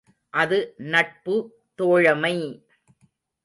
அது நட்பு தோழமை!